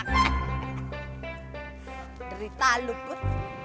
terita lu pur